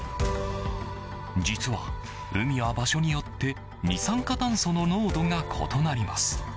実は、海は場所によって二酸化炭素の濃度が異なります。